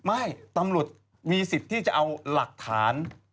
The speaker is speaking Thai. ไม่ตำรวจมีสิทธิ์ที่จะเอาหลักฐาน